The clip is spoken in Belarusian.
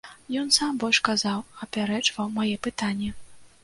Ён сам больш казаў, апярэджваў мае пытанні.